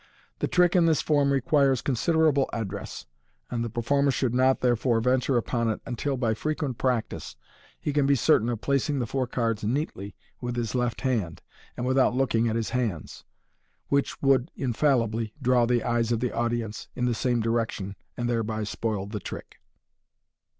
The trick in this form requires considerable address, and the performer should not, there fore, venture upon it until, by frequent practice, he can be certain of placing the four cards neatly with his left hand, and without looking at his hands, which woul ' infallibly draw the eyes of the audience is the same direction, and thereby spoil the trick.